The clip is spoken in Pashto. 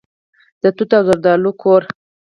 د توت او زردالو کور.